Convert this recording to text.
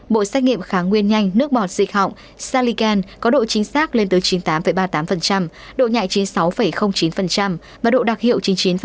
bộ xét nghiệm kháng nguyên nhanh nước bọt dịch họng saliken có độ chính xác lên tới chín mươi tám ba mươi tám độ nhạy chín mươi sáu chín và độ đặc hiệu chín mươi chín tám